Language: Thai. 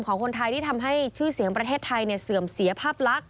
ของคนไทยที่ทำให้ชื่อเสียงประเทศไทยเสื่อมเสียภาพลักษ